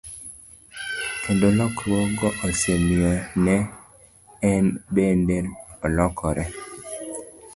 Kendo lokruokgo osemiyo en bende olokore.